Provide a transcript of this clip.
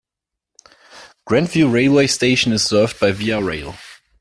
Grandview railway station is served by Via Rail.